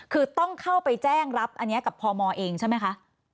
คือต้องเข้าไปแจ้งรับอันนี้กับพมเองใช่ไหมคะ